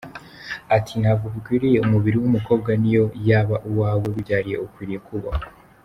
Ati “Ntabwo bikwiriye, umubiri w’umukobwa niyo yaba uwawe wibyariye ukwiriye kubahwa.